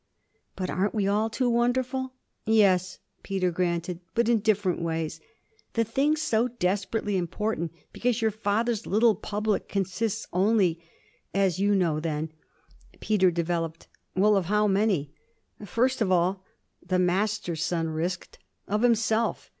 'But aren't we all too wonderful?' 'Yes,' Peter granted 'but in different ways. The thing's so desperately important because your father's little public consists only, as you know then,' Peter developed 'well, of how many?' 'First of all,' the Master's son risked, 'of himself.